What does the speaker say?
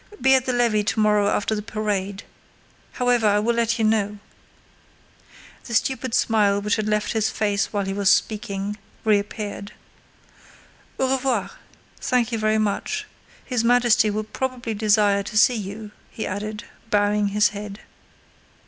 Be at the levee tomorrow after the parade. However, I will let you know." The stupid smile, which had left his face while he was speaking, reappeared. "Au revoir! Thank you very much. His Majesty will probably desire to see you," he added, bowing his head.